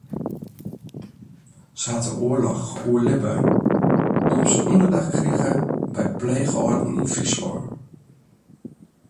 Sy hat de oarloch oerlibbe omdat se ûnderdak krige by pleechâlden yn Fryslân.